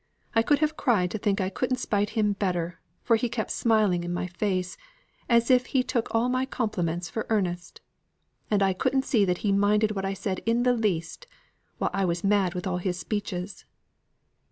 I could have cried to think I couldn't spite him better, for he kept smiling in my face, as if he took all my compliments for earnest; and I couldn't see that he minded what I said in the least, while I was mad with all his speeches."